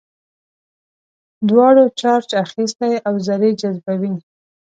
دواړو چارج اخیستی او ذرې جذبوي.